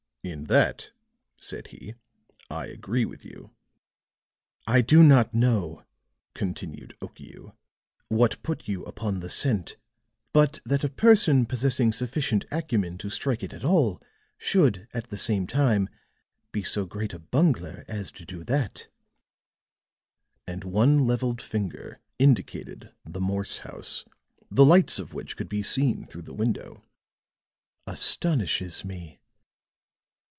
"In that," said he, "I agree with you." "I do not know," continued Okiu, "what put you upon the scent, but that a person possessing sufficient acumen to strike it at all should at the same time be so great a bungler as to do that," and one leveled finger indicated the Morse house, the lights of which could be seen through the window, "astonishes me."